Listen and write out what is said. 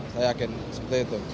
saya yakin seperti itu